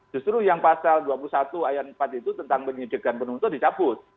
justru yang pasal dua puluh satu ayat empat itu tentang penyidikan penuntut dicabut